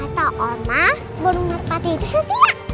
kata oma burung merupati itu setiap